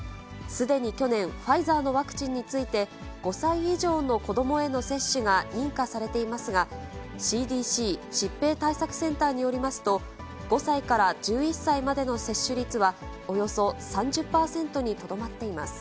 すでに去年、ファイザーのワクチンについて、５歳以上の子どもへの接種が認可されていますが、ＣＤＣ・疾病対策センターによりますと、５歳から１１歳までの接種率はおよそ３０％にとどまっています。